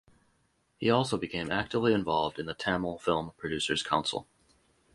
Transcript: He also became actively involved in the Tamil Film Producers Council.